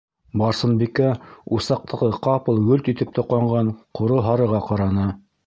- Барсынбикә усаҡтағы ҡапыл гөлт итеп тоҡанған ҡоро-һарыға ҡараны.